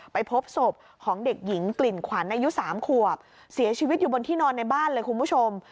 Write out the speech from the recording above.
ไปพบศพของเด็กหญิงกลิ่นขวัญอายุ๓ขวบเสียชีวิตอยู่บนที่นอนในบ้านเลยคุณผู้ชม